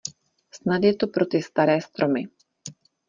Snad je to pro ty staré stromy.